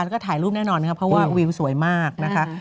แล้วก็ถ่ายรูปแน่นอนนะครับเพราะว่าวิวสวยมากนะคะ